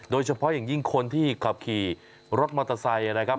โดยเฉพาะอย่างยิ่งคนที่ขับขี่รถมอเตอร์ไซค์นะครับ